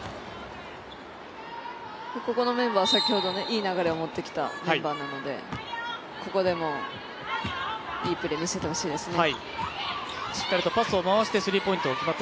ここのメンバーは先ほどいい流れを持ってきたメンバーなのでここでもいいプレー見せてほしいですね。